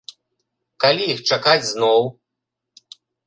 Калі іх чакаць зноў?